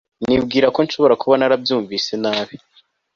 Nibwira ko nshobora kuba narabyumvise nabi